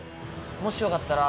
もしよかったら。